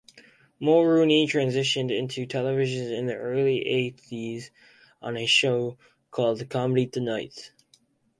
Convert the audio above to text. Mulrooney transitioned into television in the early eighties on a show called Comedy Tonight.